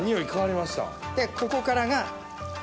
でここからが。